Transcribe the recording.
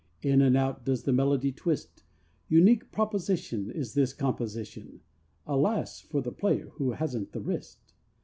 In and out does the melody twist Unique proposition Is this composition. (Alas! for the player who hasn't the wrist!)